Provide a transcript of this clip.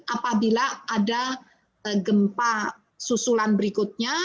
apabila ada gempa susulan berikutnya